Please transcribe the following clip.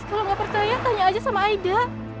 kalau nggak percaya tanya aja sama aida